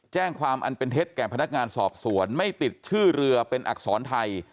แจ้งความอันเป็นเท็จแก่พนักงานสอบสวนไม่ติดชื่อเรือเป็นอักษรไทย